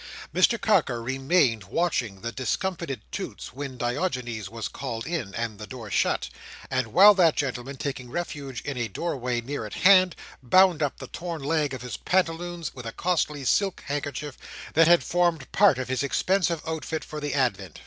Mr Carker remained watching the discomfited Toots, when Diogenes was called in, and the door shut: and while that gentleman, taking refuge in a doorway near at hand, bound up the torn leg of his pantaloons with a costly silk handkerchief that had formed part of his expensive outfit for the advent.